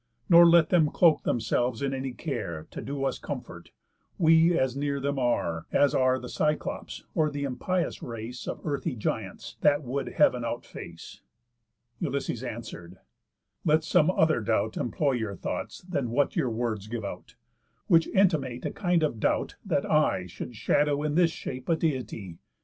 Nor let them cloak themselves in any care To do us comfort, we as near them are, As are the Cyclops, or the impious race Of earthy giants, that would heav'n outface." Ulysses answer'd: "Let some other doubt Employ your thoughts than what your words give out, Which intimate a kind of doubt that I Should shadow in this shape a Deity.